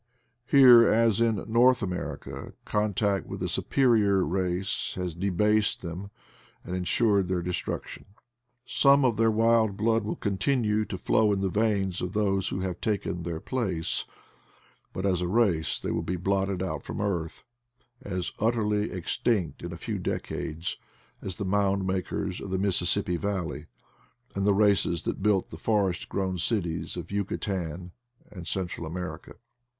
Here, as in North America, contact with a superior race has debased them and ensured their destruction. Some of their wild blood will continue to flow in the veins of those who have taken their place ; but as a race they will be blotted out from earth, as utterly extinct in a few decades as the mound makers of the Missis 40 IDLE DAYS IN PATAGONIA sippi valley, and the races that built the forest grown cities of Yucatan and Central America.